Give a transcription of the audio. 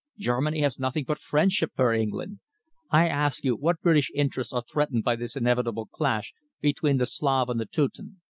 Germany has nothing but friendship for England. I ask you, what British interests are threatened by this inevitable clash between the Slav and the Teuton?